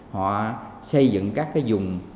họ xây dựng các cái vùng